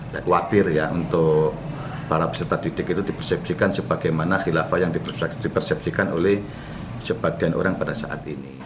kekhawatir ya untuk para peserta didik itu di persepsikan sebagaimana hilafah yang di persepsikan oleh sebagian orang pada saat ini